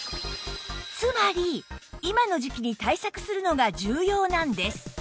つまり今の時季に対策するのが重要なんです